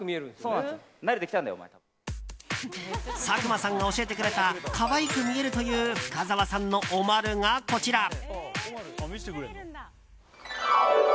佐久間さんが教えてくれた可愛く見えるという深澤さんのお丸が、こちら。